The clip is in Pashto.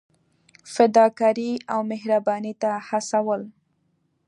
فدا کارۍ او مهربانۍ ته هڅول.